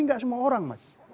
tidak semua orang mas